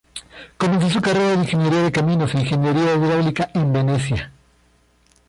Comenzó su carrera de ingeniería de caminos e ingeniería hidráulica en Venecia.